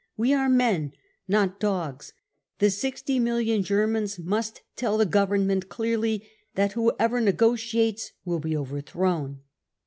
We are men, not dogs. The sixty million Germans, must tell the Government clearly that whoever negotiates will be overthrown